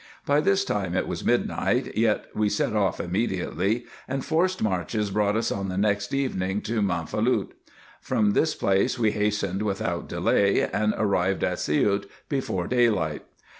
By this time it was midnight, yet we set off immediately, and forced marches brought us on the next evening to Manfalout. From this place we hastened without delay, and arrived at Siout before day light.